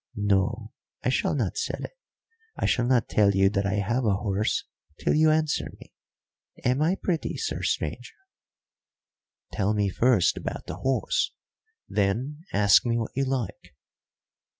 No, I shall not sell it I shall not tell you that I have a horse till you answer me. Am I pretty, sir stranger?" "Tell me first about the horse, then ask me what you like."